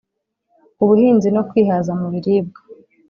ubuhinzi no kwihaza mu biribwa